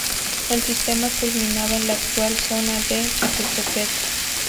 El sistema culminaba en la actual zona de Chapultepec.